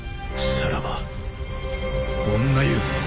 さらば女湯！